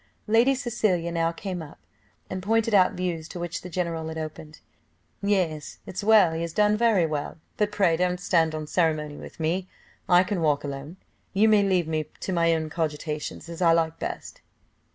Lady Cecilia now came up, and pointed out views to which the general had opened. "Yes, it's well, he has done very well, but pray don't stand on ceremony with me. I can walk alone, you may leave me to my own cogitations, as I like best."